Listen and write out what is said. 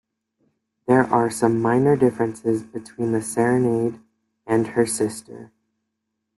There are some minor differences between the "Serenade" and her sister.